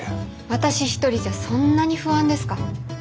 私一人じゃそんなに不安ですか？